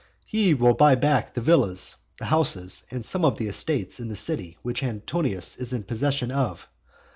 He will buy back the villas, the houses, and some of the estates in the city which Antonius is in possession of.